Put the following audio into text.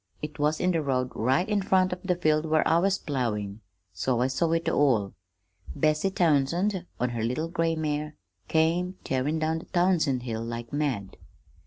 It was in the road right in front of the field where I was ploughing, so I saw it all. Bessie Townsend, on her little gray mare, came tearin' down the Townsend Hill like mad.